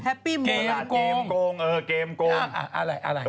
อะไรอะไร